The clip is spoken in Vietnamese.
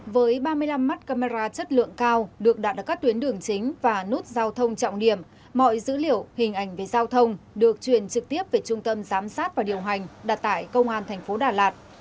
với ba mươi năm mắt camera chất lượng cao được đặt ở các tuyến đường chính và nút giao thông trọng điểm mọi dữ liệu hình ảnh về giao thông được truyền trực tiếp về trung tâm giám sát và điều hành đặt tại công an thành phố đà lạt